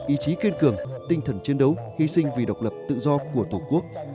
ý chí kiên cường tinh thần chiến đấu hy sinh vì độc lập tự do của tổ quốc